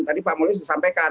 tadi pak mulyo sudah sampaikan